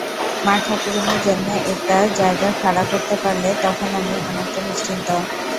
মা-ঠাকুরাণীর জন্য একটা জায়গা খাড়া করতে পারলে তখন আমি অনেকটা নিশ্চিন্তি।